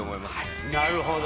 なるほど。